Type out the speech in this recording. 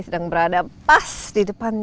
sedang berada pas di depan